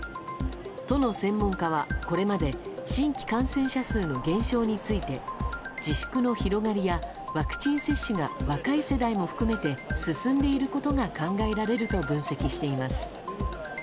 都の専門家はこれまで新規感染者数の減少について自粛の広がりやワクチン接種が若い世代も含めて進んでいることが考えられると分析しています。